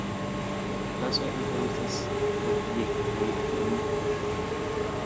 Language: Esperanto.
Klasoj ankaŭ estas objektoj kun metodoj.